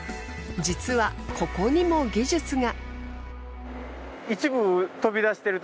実はここにも技術が。